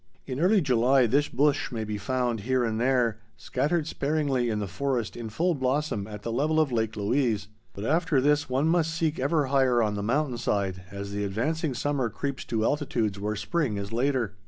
In early July this bush may be found, here and there, scattered sparingly in the forest in full blossom at the level of Lake Louise, but after this one must seek ever higher on the mountain side as the advancing summer creeps to altitudes where spring is later.